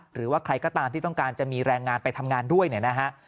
หรือว่าใครก็ตามที่ต้องการจะมีแรงงานไปทำงานด้วยเนี่ยนะฮะ